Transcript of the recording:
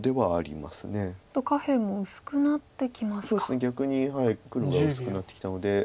逆に黒が薄くなってきたので。